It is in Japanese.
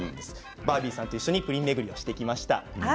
バービーさんと一緒にプリン巡りをしてきました。